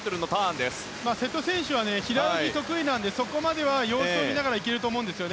瀬戸選手は平泳ぎが得意なのでそこまでは様子を見ながら行けると思います。